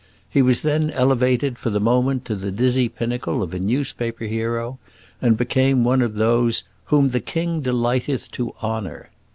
He was then elevated for the moment to the dizzy pinnacle of a newspaper hero, and became one of those "whom the king delighteth to honour."